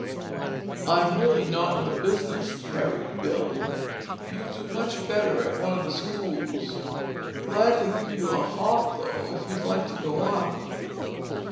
"I'm really not in the business," parried Bill. "You'd do much better at one of the schools. Glad to give you a hop, though, if you'd like to go up?"